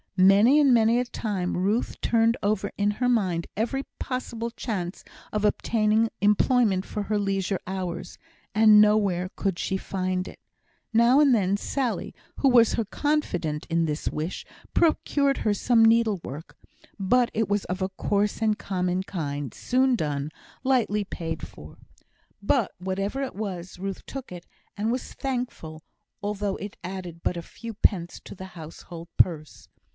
Many and many a time Ruth turned over in her mind every possible chance of obtaining employment for her leisure hours, and nowhere could she find it. Now and then Sally, who was her confidante in this wish, procured her some needlework, but it was of a coarse and common kind, soon done, lightly paid for. But whatever it was, Ruth took it, and was thankful, although it added but a few pence to the household purse.